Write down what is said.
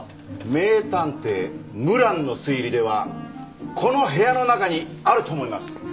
名探偵ムランの推理ではこの部屋の中にあると思います！